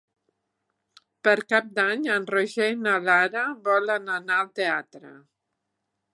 Per Cap d'Any en Roger i na Lara volen anar al teatre.